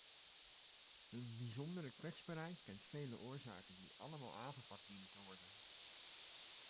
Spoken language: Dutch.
Hun bijzondere kwetsbaarheid kent vele oorzaken, die allemaal aangepakt dienen te worden.